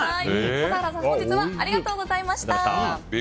笠原さん、本日はありがとうございました。